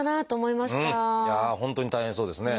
いやあ本当に大変そうですね。